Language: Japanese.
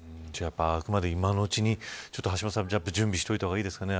あくまで今のうちに準備しておいた方がいいですかね。